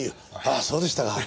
ああそうでしたか。